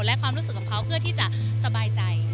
และความรู้สึกของเขาเพื่อที่จะสบายใจ